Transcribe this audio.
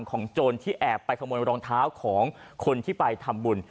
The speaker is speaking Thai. โจรที่แอบไปขโมยรองเท้าของคนที่ไปทำบุญ